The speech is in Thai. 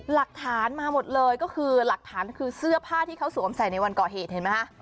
หลักฐานมาหมดเลยก็คือหลักฐานคือเสื้อผ้าที่เขาสวมใส่ในวันก่อเหตุเห็นไหมคะ